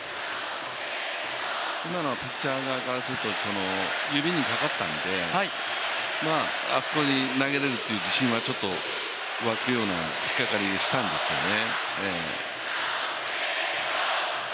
今のピッチャーからすると指にかかったのであそこに投げれるっていう自信はちょっと湧くような引っかかりしたんですよね。